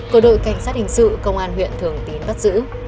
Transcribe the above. của đội cảnh sát hình sự công an huyện thường tín bắt giữ